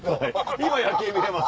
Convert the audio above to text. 今夜景見れます。